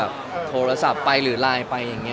แล้วถ่ายละครมันก็๘๙เดือนอะไรอย่างนี้